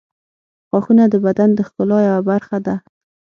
• غاښونه د بدن د ښکلا یوه برخه ده.